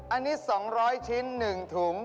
อันนี้๒๐๐ชิ้น๑ถุง